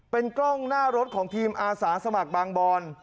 เป็นกล้องหน้ารถของทีมอาสาสมัครบางบอน